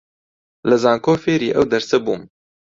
لە زانکۆ فێری ئەو دەرسە بووم